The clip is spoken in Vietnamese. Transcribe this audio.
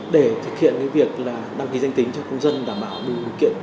để thực hiện việc đăng ký danh tính cho công dân đảm bảo đủ điều kiện